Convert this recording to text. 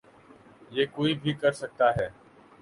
یہ کوئی بھی کر سکتا ہے۔